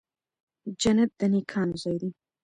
جنت د نیکانو ځای دی